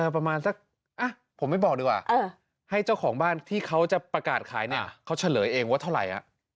ประมาณสักผมไม่บอกดีกว่าให้เจ้าของบ้านที่เขาจะประกาศขายเนี่ยเขาเฉลยเองว่าเท่าไหร่